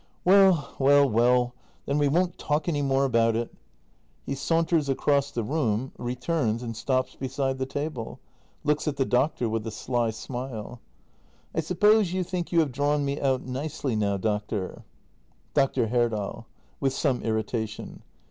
] Well, well, well — then we won't talk any more about it. [He saunters across tlie room, returns, and stops beside tlie table. Looks at (lie doctor with a sly smile.] I suppose you think you have drawn me out nicely now, doctor ? Dr. Herdal. [ With some irritation.